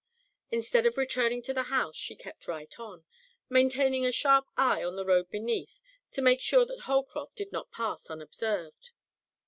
Instead of returning to the house she kept right on, maintaining a sharp eye on the road beneath to make sure that Holcroft did not pass unobserved.